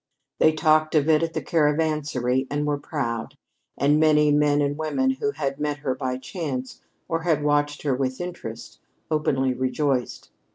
They talked of it at the Caravansary, and were proud; and many men and women who had met her by chance, or had watched her with interest, openly rejoiced.